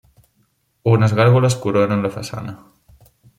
Unes gàrgoles coronen la façana.